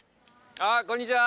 あっこんにちは！